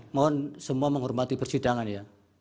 mohon semua menghormati persidangan ya